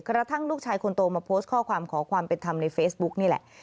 กระทั่งลูกชายคนโตมาโพสต์ข้อความขอความเป็นธรรมในเฟซบุ๊กนี่แหละ